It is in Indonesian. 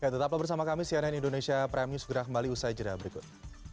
tetap bersama kami cnn indonesia prime news gerak kembali usai jerah berikut